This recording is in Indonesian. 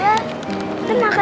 nenek pergi dulu ya